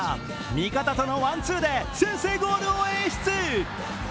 味方とのワンツーで先制ゴールを演出。